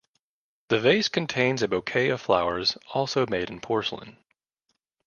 The vase contains a bouquet of flowers also made in porcelain.